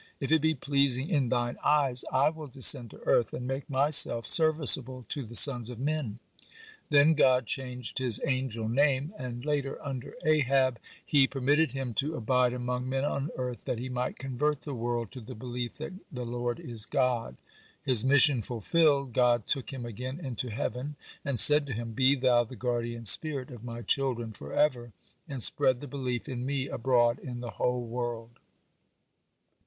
If it be pleasing in Thine eyes, I will descend to earth, and make myself serviceable to the sons of men." Then God changed his angel name, and later, under Ahab, He permitted him to abide among men on earth, that he might convert the world to the belief that "the Lord is God." His mission fulfilled, God took him again into heaven, and said to him: "Be thou the guardian spirit of My children forever, and spread the belief in Me abroad in the whole world."